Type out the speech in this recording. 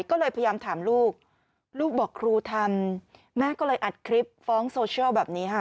ก็เลยพยายามถามลูกลูกบอกครูทำแม่ก็เลยอัดคลิปฟ้องโซเชียลแบบนี้ค่ะ